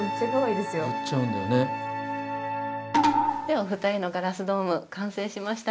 お二人のガラスドーム完成しました。